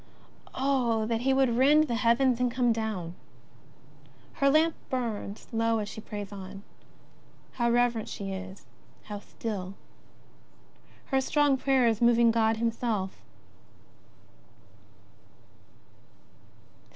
Oh, that He would rend the heavens and come down! Her lamp burns low as she prays on. How reverent she is, how still. Her strong prayer is moving God Himself.